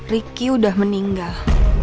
ricky udah meninggal